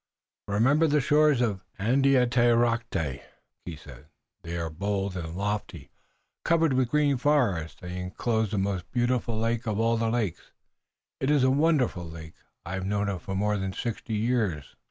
"Remember the shores of Andiatarocte," he said. "They are bold and lofty, covered with green forest, and they enclose the most beautiful of all the lakes. It is a wonderful lake. I have known it more than sixty years.